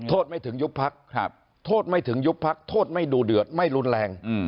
ไม่ถึงยุบพักโทษไม่ถึงยุบพักโทษไม่ดูเดือดไม่รุนแรง